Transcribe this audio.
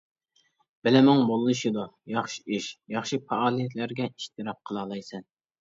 بىلىمىڭ موللىشىدۇ، ياخشى ئىش، ياخشى پائالىيەتلەرگە ئىشتىراك قىلالايسەن.